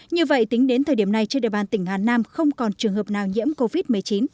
như vậy tính đến thời điểm này trên địa bàn tỉnh hà nam không còn trường hợp nào nhiễm covid một mươi chín